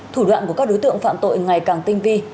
thủ đoạn của các đối tượng phạm tội ngày càng tinh vi